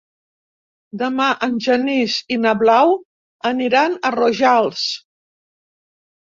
Demà en Genís i na Blau aniran a Rojals.